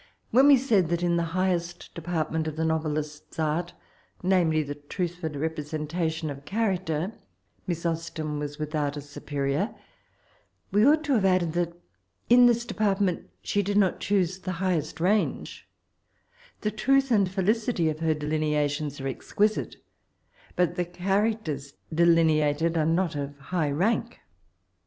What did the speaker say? When we said that in the highest department of the novelist's art— namely, the truthful representa tion of character— Miss Austen was without a superior, we ought to have added that in this department ehe did not choose the highest range; the truth and felicity of her delinea tion are exquisite, but the characters delineated are not of a high rank.